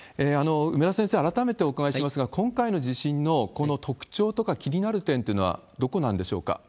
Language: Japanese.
梅田先生、改めてお伺いしますが、今回の地震のこの特徴とか、気になる点というのはどこなんでしょうか？